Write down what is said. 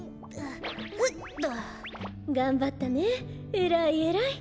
えらいえらい。